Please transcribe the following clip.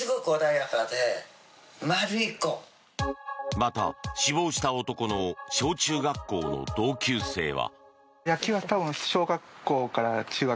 また、死亡した男の小中学校の同級生は。